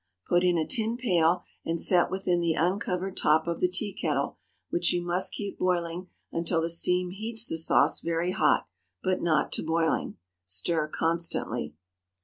Put in a tin pail and set within the uncovered top of the tea kettle, which you must keep boiling until the steam heats the sauce very hot, but not to boiling. Stir constantly.